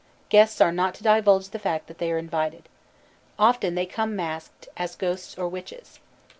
Guests are not to divulge the fact that they are invited. Often they come masked, as ghosts or witches.